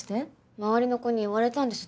周りの子に言われたんです